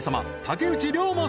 竹内涼真